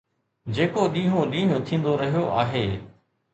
جيڪو ڏينهون ڏينهن ٿيندو رهيو آهي.